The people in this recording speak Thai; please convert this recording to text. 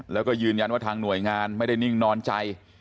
แล้วก็ยืนยันว่าทางหน่วยงานไม่ได้นิ่งนอนใจ